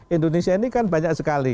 indonesia ini kan banyak sekali